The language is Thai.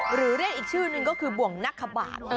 หรือเรียกอีกชื่อนึงก็คือบ่วงนักขบาท